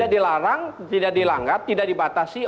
dilarang tidak dilanggar tidak dibatasi